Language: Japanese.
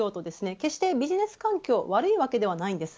決してビジネス環境は悪いわけではないです。